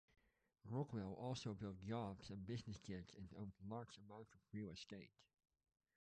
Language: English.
Rockwell also built yachts and business jets and owned large amounts of real estate.